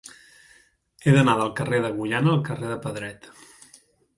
He d'anar del carrer d'Agullana al carrer de Pedret.